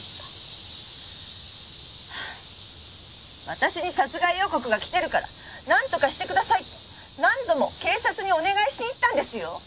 私に殺害予告が来てるからなんとかしてくださいって何度も警察にお願いしに行ったんですよ！？